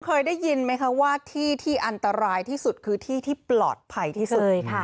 เคยได้ยินไหมคะว่าที่ที่อันตรายที่สุดคือที่ที่ปลอดภัยที่สุด